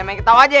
ya main ketawa je